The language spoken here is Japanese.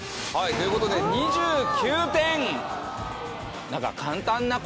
という事で２９点。